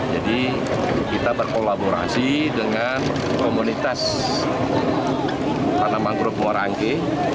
jadi kita berkolaborasi dengan komunitas tanaman mangrove moraangke